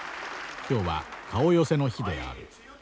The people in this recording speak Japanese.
今日は顔寄せの日である。